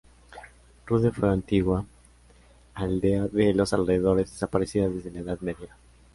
Rude fue una antigua aldea de los alrededores desaparecida desde la Edad Media.